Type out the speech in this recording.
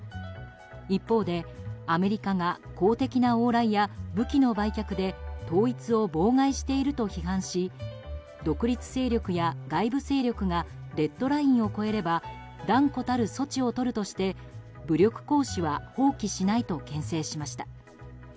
一方でアメリカが公的な往来や武器の売却で統一を妨害していると批判し独立勢力や外部勢力がレッドラインを越えれば断固たる措置をとるとして武力行使は放棄しないと牽制しました。